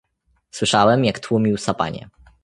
"Słyszałem, jak tłumił sapanie."